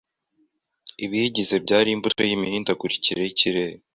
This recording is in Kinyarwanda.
Ibiyigize byari imbuto zimihindagurikire yikirere